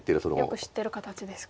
よく知ってる形ですか。